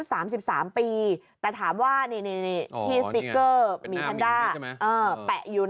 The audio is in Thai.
สามสิบสามปีแต่ถามว่านี่ที่สติ๊กเกอร์หมีแพนด้าแปะอยู่